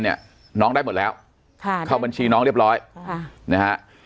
เนี่ยน้องได้หมดแล้วค่ะเข้าบัญชีน้องเรียบร้อยค่ะนะฮะ